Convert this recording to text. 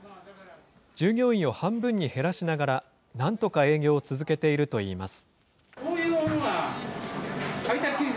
従業員を半分に減らしながらなんとか営業を続けているといいます。